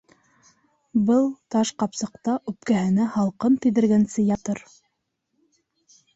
Был таш ҡапсыҡта үпкәһенә һалҡын тейҙергәнсе ятыр!